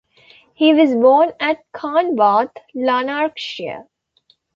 He was born at Carnwath, Lanarkshire.